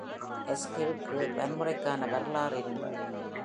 அஸ்கெவுக்கு வன்முறைக்கான வரலாறு இருந்தது.